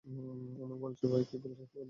অনেক বলে গেছে ভাই, যা কিছু করতে পারে।